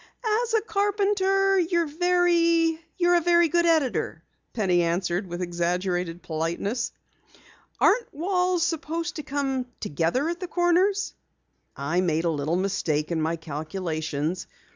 "As a carpenter you're a very good editor," Penny answered with exaggerated politeness. "Aren't walls supposed to come together at the corners?" "I made a little mistake in my calculations.